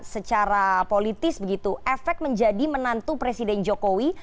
secara politis begitu efek menjadi menantu presiden jokowi